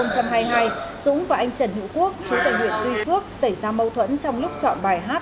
dũng và anh trần hữu quốc chú tại huyện tuy phước xảy ra mâu thuẫn trong lúc chọn bài hát